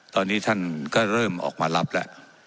ตอนนี้ท่านก็เริ่มออกมารับแล้ว